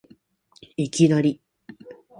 いきなり